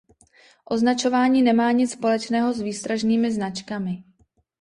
Označování nemá nic společného s výstražnými značkami.